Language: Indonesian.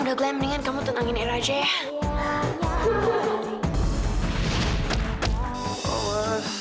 udah glenn mendingan kamu tenangin era aja ya